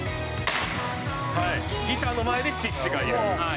「はい」「ギターの前でチッチがいる」